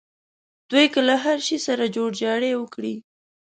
دوی که له هر شي سره جوړجاړی وکړي.